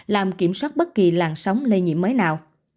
làm kiểm soát bất kỳ làn sóng lây nhiễm mới nào